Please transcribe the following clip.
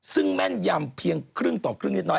ซึ่งแม่นยำเพียงเครื่องต่อเครื่องนิดน้อย